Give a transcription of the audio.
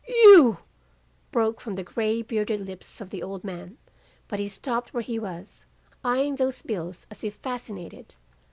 "'You ' broke from the gray bearded lips of the old man, but he stopped where he was, eyeing those bills as if fascinated.